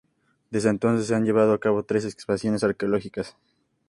Desde entonces, se han llevado a cabo tres excavaciones arqueológicas.